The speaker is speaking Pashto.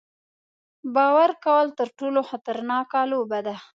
باور کول تر ټولو خطرناکه لوبه ده.